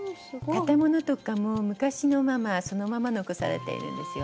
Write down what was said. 建物とかも昔のままそのまま残されているんですよ。